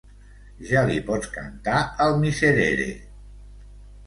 Ja li pots cantar el miserere.